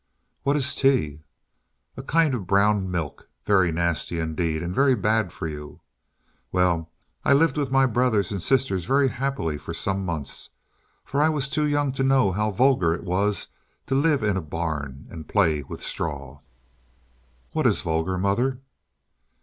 "What is tea?" "A kind of brown milk very nasty indeed, and very bad for you. Well, I lived with my brothers and sisters very happily for some months, for I was too young to know how vulgar it was to live in a barn and play with straw." "What is vulgar, mother?"